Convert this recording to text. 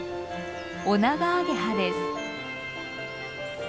オナガアゲハです。